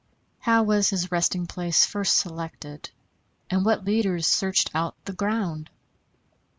How was his resting place first selected, and what leaders searched out the ground?